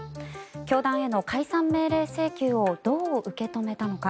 教団への解散命令請求をどう受け止めたのか。